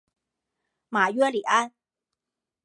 马约里安。